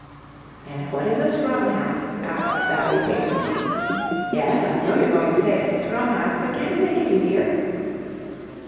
"And what is a scrum half?" asked Sally, patiently. "Yes, I know you're going to say it's a scrum half, but can't you make it easier?"